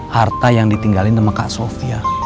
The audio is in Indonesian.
harta yang ditinggalin sama kak sofia